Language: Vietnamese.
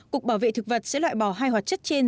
cục bảo vệ thực vật sẽ loại bỏ hai hoạt chất trên